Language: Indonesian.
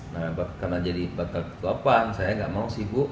nah karena jadi bakal ketua pan saya nggak mau sibuk